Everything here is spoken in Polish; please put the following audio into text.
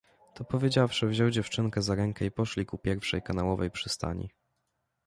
To powiedziawszy wziął dziewczynkę za ręke i poszli ku pierwszej kanałowej przystani.